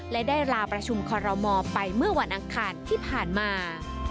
และได้ลาประชุมคอรมอลไปเมื่อวันอังคารที่ผ่านมา